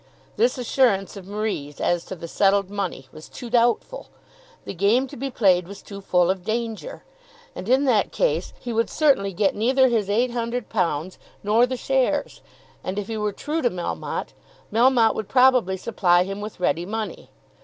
This assurance of Marie's as to the settled money was too doubtful! The game to be played was too full of danger! And in that case he would certainly get neither his £800, nor the shares. And if he were true to Melmotte, Melmotte would probably supply him with ready money.